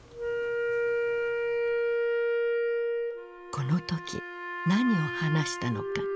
この時何を話したのか？